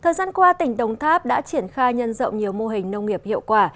thời gian qua tỉnh đồng tháp đã triển khai nhân rộng nhiều mô hình nông nghiệp hiệu quả